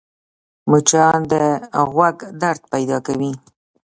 مچان د غوږ درد پیدا کوي